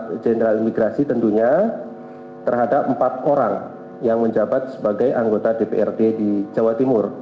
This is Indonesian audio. dari jenderal imigrasi tentunya terhadap empat orang yang menjabat sebagai anggota dprd di jawa timur